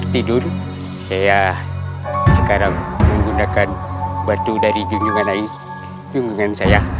tidur saya sekarang menggunakan batu dari junjungan air